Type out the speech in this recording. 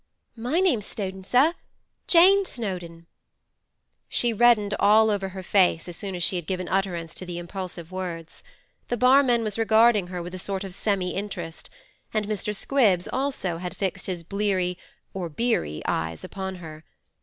My name's Snowdon, sir—Jane Snowdon.' She reddened over all her face as soon as she had given utterance to the impulsive words. The barman was regarding her with a sort of semi interest, and Mr. Squibbs also had fixed his bleary (or beery) eyes upon her.